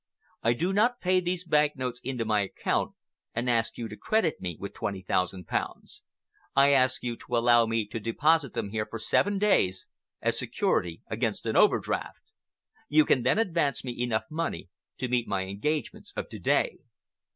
I do not pay these bank notes in to my account and ask you to credit me with twenty thousand pounds. I ask you to allow me to deposit them here for seven days as security against an overdraft. You can then advance me enough money to meet my engagements of to day."